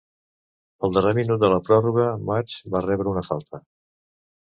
Al darrer minut de la pròrroga, Mutch va rebre una falta.